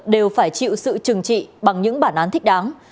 đều phải chịu sự trừng trị bằng những bản án thích đáng